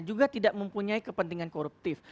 juga tidak mempunyai kepentingan koruptif